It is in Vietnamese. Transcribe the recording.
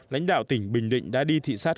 lãnh đạo tỉnh bình định đã đi thị sát